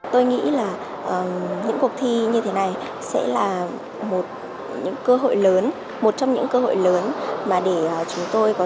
tôi nghĩ là những cuộc thi như thế này sẽ là một trong những cơ hội lớn mà để chúng tôi có